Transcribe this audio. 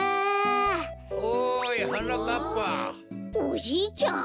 おじいちゃん？